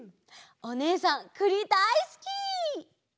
おねえさんくりだいすき！